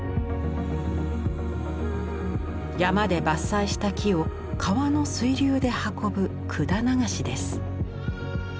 山で伐採した木を川の水流で運ぶ「管流し」です。